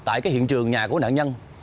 tại cái hiện trường nhà của nạn nhân